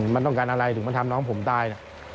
มันต้องการอะไรถึงมันทำน้องผมตาย